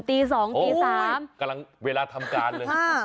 ตีสองตีสามเวลาทำการเลย